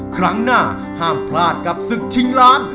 ครั้งหน้าห้ามพลาดกับศึกชิงล้าน